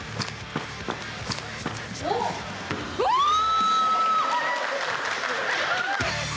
うわー！